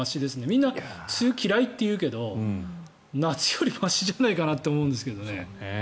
みんな梅雨、嫌いっていうけど夏よりましじゃないかなと思うんですけど。